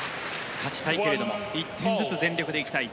勝ちたいけども１点ずつ全力で行きたい。